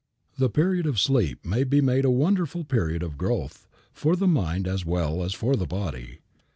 The period of sleep may be made a wonderful period of growth, for the mind as well as for the body.